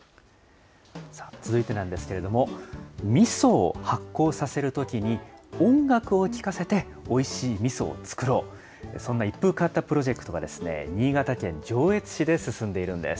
続いてなんですけれども、みそを発酵させるときに、音楽を聴かせておいしいみそを作ろう、そんな一風変わったプロジェクトが、新潟県上越市で進んでいるんです。